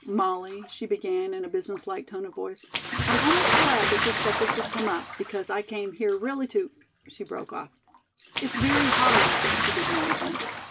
"Molly," she began in a business like tone of voice, "I'm almost glad that this subject has come up because I came here really to " she broke off. "It's very hard," she began again.